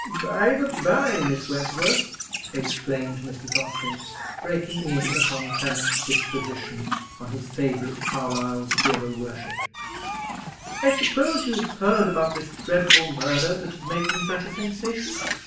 "By the bye, Miss Wentworth," exclaimed Mrs. Austin, breaking in upon Clement's disquisition on his favourite Carlyle's "Hero Worship," "I suppose you've heard about this dreadful murder that is making such a sensation?"